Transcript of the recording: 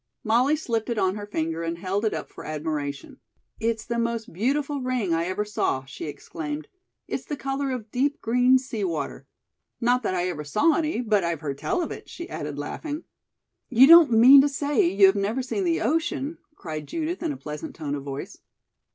Molly slipped it on her finger and held it up for admiration. "It's the most beautiful ring I ever saw," she exclaimed. "It's the color of deep green sea water. Not that I ever saw any, but I've heard tell of it," she added, laughing. "You don't mean to say you have never seen the ocean!" cried Judith in a pleasant tone of voice.